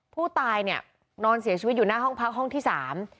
ผู้ตายเนี่ยนอนเสียชีวิตอยู่หน้าห้องพักห้องที่สาม